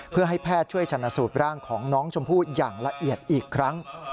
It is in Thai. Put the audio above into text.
เพื่อให้แพทย์ช่วยชนะสูตรร่างของน้องชมพู่อย่างละเอียดอีกครั้ง